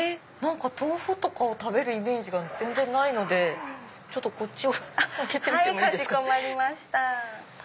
豆腐とかを食べるイメージが全然ないのでこっちをあげてみていいですか。